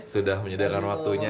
sudah menyediakan waktunya